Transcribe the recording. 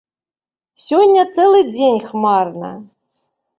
Сёння цэлы дзень хмарна.